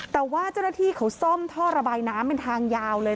แต่ว่าเจ้าหน้าที่เขาซ่อมท่อระบายน้ำเป็นทางยาวเลย